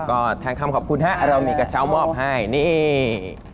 ก็แทนคำขอบคุณฮะเรามีกระเช้ามอบให้นี่